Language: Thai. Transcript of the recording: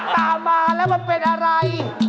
ตามมาแล้วมันเป็นอะไร